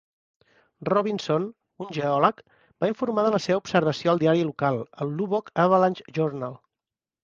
Robinson, un geòleg - va informar de la seva observació al diari local, el "Lubbock Avalanche-Journal".